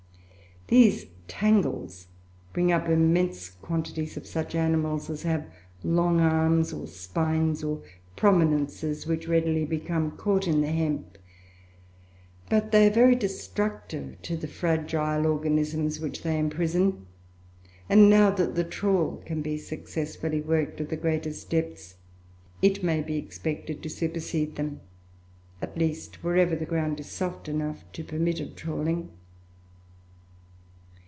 These "tangles" bring up immense quantities of such animals as have long arms, or spines, or prominences which readily become caught in the hemp, but they are very destructive to the fragile organisms which they imprison; and, now that the trawl can be successfully worked at the greatest depths, it may be expected to supersede them; at least, wherever the ground is soft enough to permit of trawling.